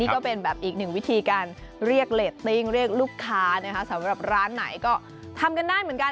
นี่ก็เป็นแบบอีก๑วิธีการเรียกเรตติ้งเรียคลูกค้าในร้านไหนก็ทำกันได้เหมือนกัน